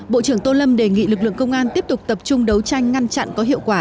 bộ trưởng tô lâm đề nghị lực lượng công an tiếp tục tập trung đấu tranh ngăn chặn có hiệu quả